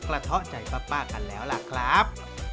กระทบใจป้ากันแล้วล่ะครับ